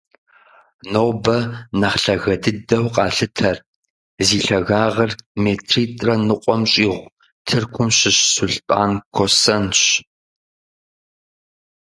Нобэ нэхъ лъагэ дыдэу къалъытэр, зи лъагагъыр метритӏрэ ныкъуэм щӏигъу, Тыркум щыщ Сулътӏан Косэнщ.